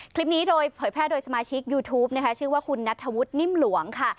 คลิปนี้โดยเผยแพร่โดยสมาชิกยูทูปนะคะชื่อว่าคุณนัทธวุฒินิ่มหลวงค่ะ